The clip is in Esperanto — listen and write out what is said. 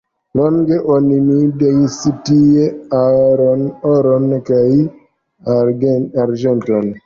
Longe oni minadis tie oron kaj arĝenton.